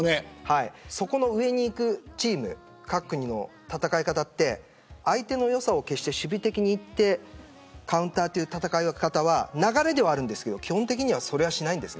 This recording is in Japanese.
その上にいくチーム各国の戦い方って相手の良さを消して守備的にいってカウンターという戦い方は流れではあるんですが基本的にはそれはしないです。